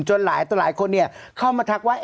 จนหลายตัวหลายคนเนี่ยเข้ามาทักว่า